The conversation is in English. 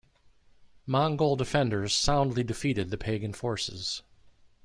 Mongol defenders soundly defeated the Pagan forces.